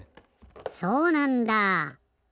そうなんだ。